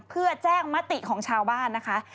เพื่อแจ้งมติของชาวบ้านนะคะ